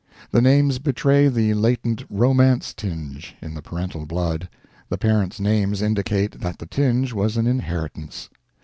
The names betray the latent romance tinge in the parental blood, the parents' names indicate that the tinge was an inheritance.